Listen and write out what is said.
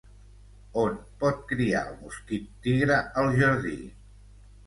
On pot criar el mosquit tigre al jardí?